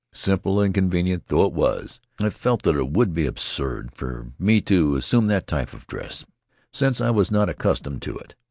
Simple and convenient though it was, I felt that it would be absurd for me to assume that style of dress, since I was not accustomed to it.